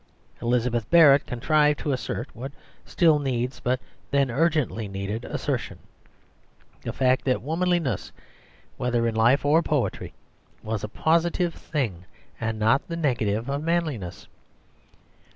Elizabeth Barrett contrived to assert, what still needs but then urgently needed assertion, the fact that womanliness, whether in life or poetry, was a positive thing, and not the negative of manliness.